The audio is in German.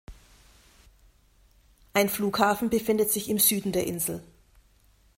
Ein Flughafen befindet sich im Süden der Insel.